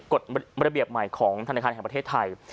กฎระเบียบใหม่ของธนาคารแห่งประเทศไทย